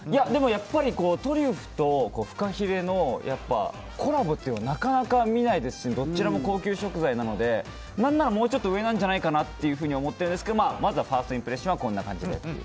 やっぱりトリュフとフカヒレのコラボっていうのはなかなか見ないですしどちらも高級食材なので何ならもうちょっと上なんじゃないかなって思ってるんですけどまずはファーストインプレッションはこんな感じでっていう。